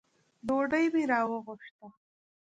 ډوډۍ مي راوغوښته .